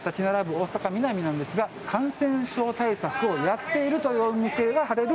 大阪・ミナミなんですが感染症対策をやっているというお店が貼れる